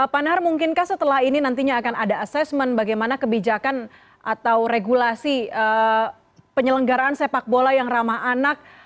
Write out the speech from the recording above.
pak nahar mungkinkah setelah ini nantinya akan ada assessment bagaimana kebijakan atau regulasi penyelenggaraan sepak bola yang ramah anak